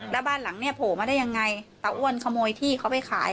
แล้วบ้านหลังเนี่ยโผล่มาได้ยังไงตาอ้วนขโมยที่เขาไปขาย